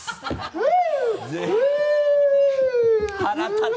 うん。